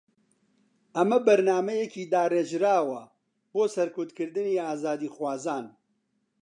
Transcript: ئەمە بەرنامەیەکی داڕێژراوە بۆ سەرکوتکردنی ئازادیخوازان